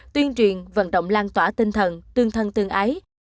tuyên truyền vận động lan tỏa tinh thần tương thân tương ái